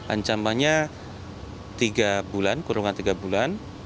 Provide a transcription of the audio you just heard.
ancamannya tiga bulan kurungan tiga bulan